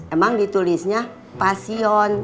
emang ditulisnya pasion